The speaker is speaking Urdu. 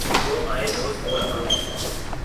جو آئے روز ہو رہا ہے۔